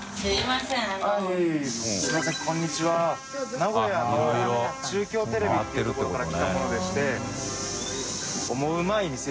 名古屋の中京テレビっていうところから来た者でして。